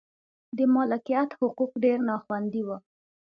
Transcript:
د مالکیت حقوق ډېر نا خوندي و.